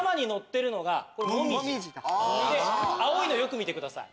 青いのよく見てください